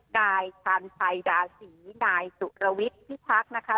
นายชันไพราสีนายสุระวิทพิพักนะคะ